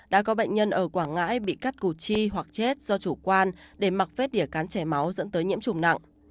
đã có bệnh nhân ở quảng ngãi bị cắt cụ chi hoặc chết do chủ quan để mặc vết đỉa cắn chảy máu dẫn tới nhiễm chủng nặng